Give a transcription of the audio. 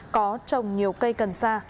có trồng nhiều cây cần sa